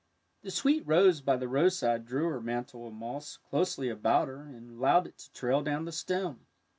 The sweet rose by the roadside drew her mantle of moss closely about her and allowed it to trail down the stem.